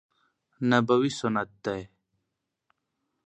نبوي سنت دي.